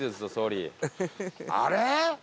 あれ？